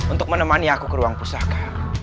untuk menemani aku ke ruang pusaka